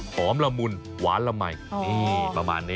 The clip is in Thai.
หอมละมุนหวานละมัย